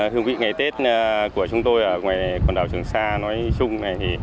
hương vị ngày tết của chúng tôi ở ngoài quần đảo trường sa nói chung này